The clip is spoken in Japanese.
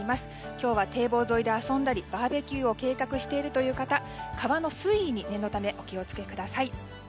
今日は堤防沿いで遊んだりバーベキューを計画している方は川の水位にお気を付けください。